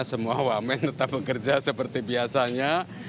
semua wamen tetap bekerja seperti biasanya